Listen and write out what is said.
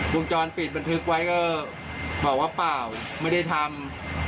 วงจรปิดบันทึกไว้ก็บอกว่าเปล่าไม่ได้ทำ